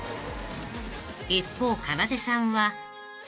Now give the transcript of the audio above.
［一方かなでさんは］